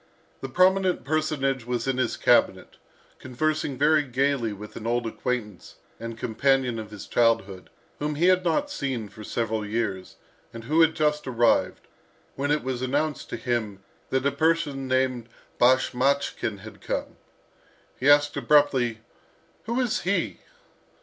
The prominent personage was in his cabinet, conversing very gaily with an old acquaintance and companion of his childhood, whom he had not seen for several years, and who had just arrived, when it was announced to him that a person named Bashmachkin had come. He asked abruptly, "Who is he?"